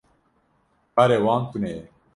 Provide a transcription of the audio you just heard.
Karê wan tune ye.